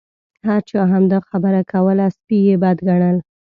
هر چا همدا خبره کوله سپي یې بد ګڼل.